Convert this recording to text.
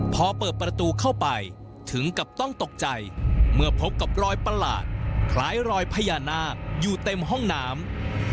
พอเปิดประตูเข้าไปถึงกับต้องตกใจเมื่อพบกับรอยประหลาดคล้ายรอยพญานาคอยู่เต็มห้องน้ำ